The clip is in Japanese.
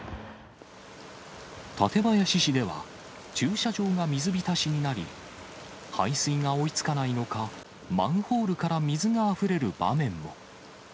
館林市では、駐車場が水浸しになり、排水が追い付かないのか、マンホールから水があふれる場面も。